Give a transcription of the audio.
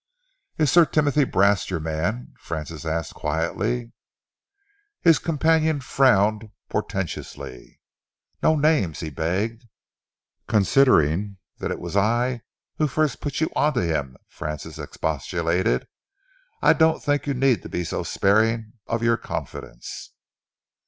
"Is Sir Timothy Brast your man?" Francis asked quietly. His companion frowned portentously. "No names," he begged. "Considering that it was I who first put you on to him," Francis expostulated, "I don't think you need be so sparing of your confidence."